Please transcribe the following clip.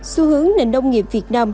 xu hướng nền nông nghiệp việt nam